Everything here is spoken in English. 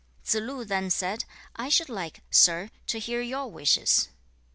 Tsze lu then said, 'I should like, sir, to hear your wishes.'